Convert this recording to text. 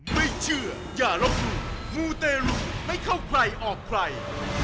ไม่เชื่ออย่าลบหลู่มูเตรุไม่เข้าใครออกใคร